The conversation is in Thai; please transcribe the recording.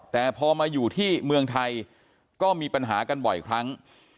แต่พอมาอยู่ที่เมืองไทยก็มีปัญหากันบ่อยครั้ง